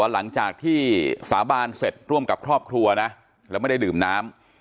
หลังจากที่สาบานเสร็จร่วมกับครอบครัวนะแล้วไม่ได้ดื่มน้ำ